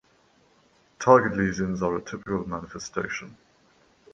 Target lesions are a typical manifestation.